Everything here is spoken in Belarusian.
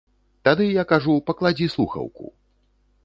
Тады я кажу, пакладзі слухаўку.